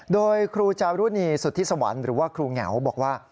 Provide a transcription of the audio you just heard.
โดยครูจารุณีสุทธิสวรรค์หรือว่าครูเหงาบอกว่า